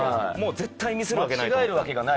絶対ミスるわけない。